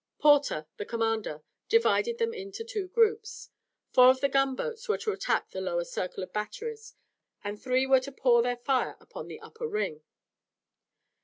Porter, the commander, divided them into two groups. Four of the gunboats were to attack the lower circle of batteries and three were to pour their fire upon the upper ring.